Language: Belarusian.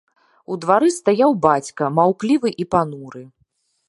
У двары стаяў бацька, маўклівы і пануры.